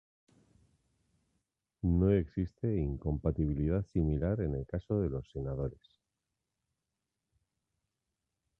No existe incompatibilidad similar en el caso de los senadores.